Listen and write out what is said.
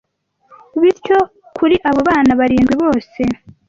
Bityo kuri abo bana barindwi bose